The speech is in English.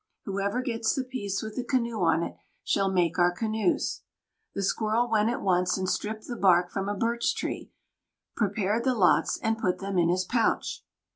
"Whoever gets the piece with the canoe on it, shall make our canoes." The Squirrel went at once and stripped the bark from a birch tree, prepared the lots, and put them in his pouch.